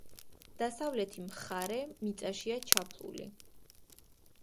დასავლეთი მხარე მიწაშია ჩაფლული.